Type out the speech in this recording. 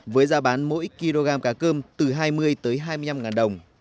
với giá bán mỗi kg cá cơm từ hai mươi tới hai mươi năm ngàn đồng